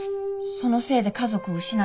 そのせいで家族を失っても？